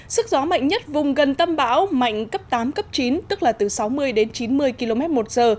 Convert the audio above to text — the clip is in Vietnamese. sức gió mạnh nhất vùng gần tâm bão mạnh cấp tám cấp chín tức là từ sáu mươi đến chín mươi km một giờ